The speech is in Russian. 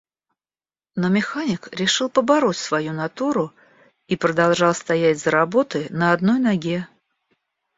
Но механик решил побороть свою натуру и продолжал стоять за работой на одной ноге.